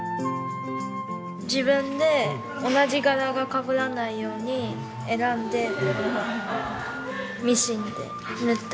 自分で同じ柄がかぶらないように選んでミシンで縫ったり。